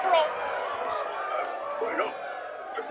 Será recordada por el Arzobispo de Benevento, Mons.